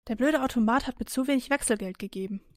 Der blöde Automat hat mir zu wenig Wechselgeld gegeben.